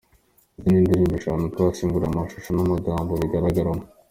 Izi ni indirimbo eshanu twasesenguriye amashusho n’amagambo bigaragaramo.